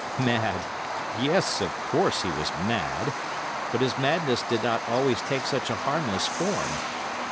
Mad! Yes, of course, he was mad; but his madness did not always take such a harmless form.